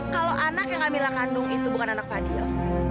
kalau anak yang kamilah kandung itu bukan anak fadil